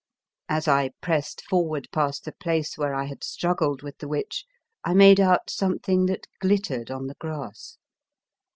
As I pressed for ward past the place where I had strug gled with the witch I made out some thing that glittered on the grass.